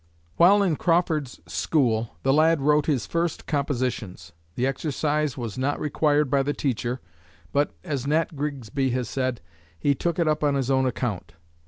While in Crawford's school the lad wrote his first compositions. The exercise was not required by the teacher, but, as Nat Grigsby has said, "he took it up on his own account."